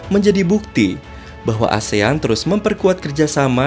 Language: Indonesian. menjadi bukti bahwa asean terus memperkuat kerjasama